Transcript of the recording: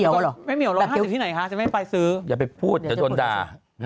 อย่าไปพูดจะโดนด่า